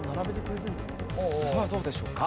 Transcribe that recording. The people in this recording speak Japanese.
さあどうでしょうか？